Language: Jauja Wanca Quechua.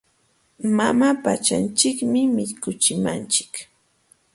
Mama pachanchikmi mikuchimanchik.